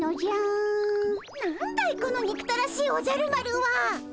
なんだいこのにくたらしいおじゃる丸は。